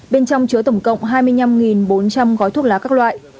bên trong chứa tổng cộng hai mươi năm bốn trăm linh gói thuốc lá các loại